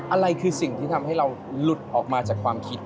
อะไรคือสิ่งที่ทำให้เราหลุดออกมาจากความคิด